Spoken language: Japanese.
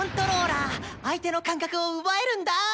相手の感覚を奪えるんだ！